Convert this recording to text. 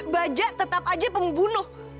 bajak tetap aja pembunuh